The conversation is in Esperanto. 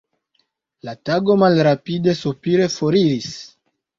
La tago malrapide sopire foriris.